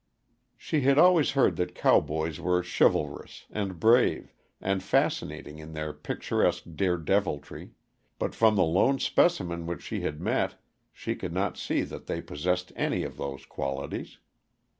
She had always heard that cowboys were chivalrous, and brave, and fascinating in their picturesque dare deviltry, but from the lone specimen which she had met she could not see that they possessed any of those qualities.